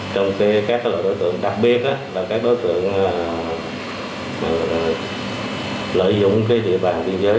trong các đối tượng đặc biệt là các đối tượng lợi dụng địa bàn biên giới